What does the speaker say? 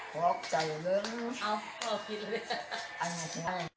หกเจ้าหนึ่ง